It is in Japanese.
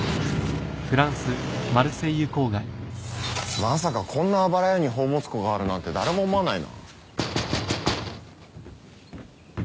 まさかこんなあばら家に宝物庫があるなんて誰も思わないな。